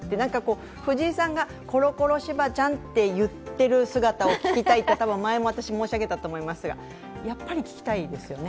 藤井さんが、コロコロしばちゃんっていっている姿を聞きたい方も前も私、申し上げたと思いますがやっぱり聞きたいですよね。